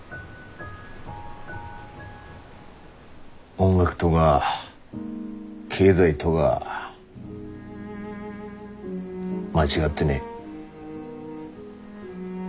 音楽とが経済とが間違ってねえ。